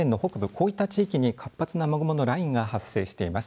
こういった地域に活発な雨雲のラインが発生しています。